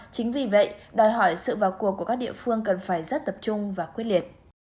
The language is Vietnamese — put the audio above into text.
chính vì vậy đòi hỏi sự vào cuộc của các địa phương cần phải rất tập trung và quyết liệt